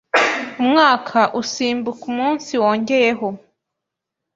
umwaka usimbuka umunsi wongeyeho